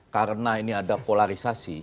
karena ini ada polarisasi